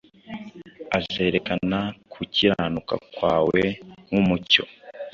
Azerekana gukiranuka kwawe nk’umucyo